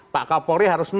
pak kapolri harus mampu